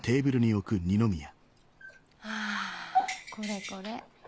あぁこれこれ。